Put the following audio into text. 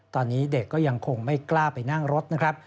ตอนนี้เด็กก็ยังคงไม่กล้าไปนั่งรถนะครับ